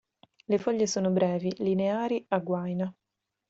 Le foglie sono brevi, lineari, a guaina.